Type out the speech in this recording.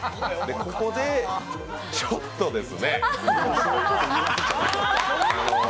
ここでちょっとですね。